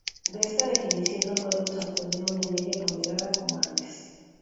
De esta definición no podemos obtener una media ponderada como antes.